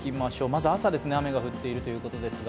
まず、朝、雨が降っているということですが。